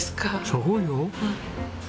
そうよ。